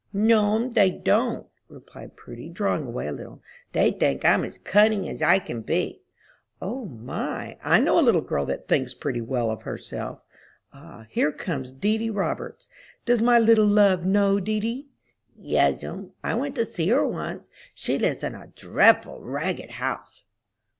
"No'm, they don't," replied Prudy, drawing away a little, "they think I'm as cunning as I can be." "O, my! I know a little girl that thinks pretty well of herself. Ah, here comes Dedy Roberts; does my little love know Dedy?" "Yes'm, I went to see her once; she lives in a dreadful ragged house!"